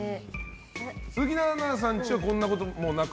鈴木奈々さんはこんなことなく？